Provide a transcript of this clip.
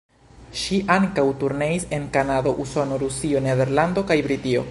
Ŝi ankaŭ turneis en Kanado, Usono, Rusio, Nederlando kaj Britio.